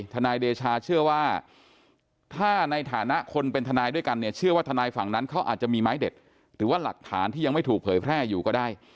ทนายเดชาเชื่อว่าถ้าในฐานะคนเป็นทนายด้วยกันเนี่ยเชื่อว่าทนายฝั่งนั้นเขาอาจจะมีไม้เด็ดหรือว่าหลักฐานที่ยังไม่ถูกเผยแพร่อยู่ก็ได้